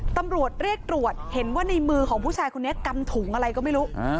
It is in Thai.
ตำรวจเรียกตรวจเห็นว่าในมือของผู้ชายคนนี้กำถุงอะไรก็ไม่รู้